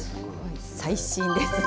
最新ですね。